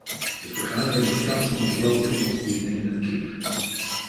De vergadering wordt thans onderbroken voor ons diner met kip.